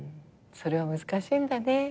それは難しいんだね。